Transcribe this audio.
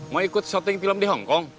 mau ikut shotting film di hongkong